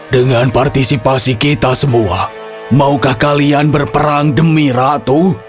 dengan partisipasi kita semua maukah kalian berperang demi ratu